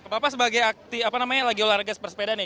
bapak sebagai akti apa namanya lagi olahraga bersepeda nih